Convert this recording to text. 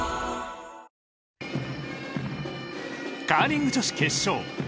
カーリング女子決勝。